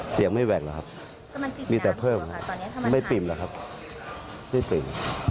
เสียงไม่แหว่งหรอครับมีแต่เพิ่มไม่ปริ่มหรอครับไม่ปริ่ม